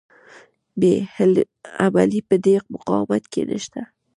بې عملي په دې مقاومت کې نشته.